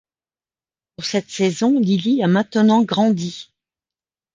Pour cette saison, Lilly a maintenant grandi.